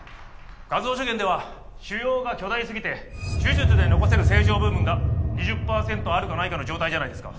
画像所見では腫瘍が巨大すぎて手術で残せる正常部分が２０パーセントあるかないかの状態じゃないですか。